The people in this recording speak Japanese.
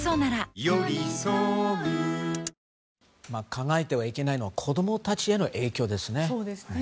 考えなきゃいけないのは子供たちへの影響ですね。